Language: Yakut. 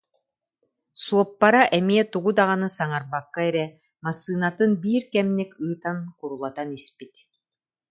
Суоппара эмиэ тугу даҕаны саҥарбакка эрэ, массыынатын биир кэмник ыытан курулатан испит